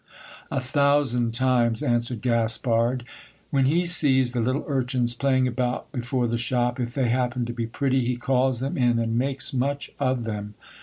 A thousand times, answered Gaspard. When he sees the little urchins playing about before the shop, if they happen to be pretty, he calls them in and makes much of them.